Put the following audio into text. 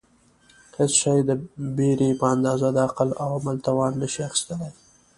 هېڅ شی د بېرې په اندازه د عقل او عمل توان نشي اخیستلای.